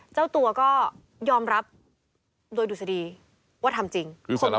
เจ้าตัวก็ยอมรับโดยดุษฎีว่าทำจริง